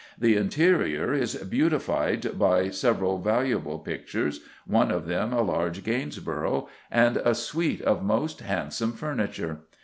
The interior is beautified by several valuable pictures, one of them a large Gainsborough, and a suite of most handsome furniture.